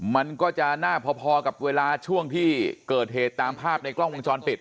มันก็จะน่าพอกับเวลาช่วงที่เกิดเหตุตามภาพในกล้องวงจรปิด